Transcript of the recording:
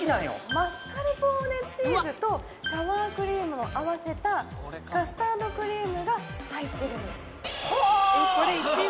マスカルポーネチーズとサワークリームを合わせたカスタードクリームが入ってるんです